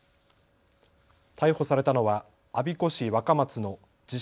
逮捕されたのは我孫子市若松の自称